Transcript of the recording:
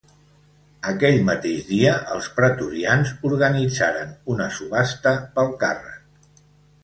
Aquell mateix dia els pretorians organitzaren una subhasta pel càrrec.